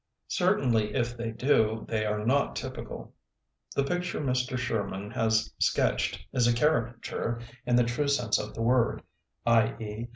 Certainly if they do, they are not typical. The picture Mr. Sher man has sketched is a caricature in the true sense of the word, i. e.